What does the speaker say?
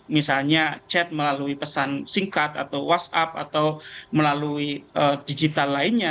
misalnya chat melalui pesan singkat atau whatsapp atau melalui digital lainnya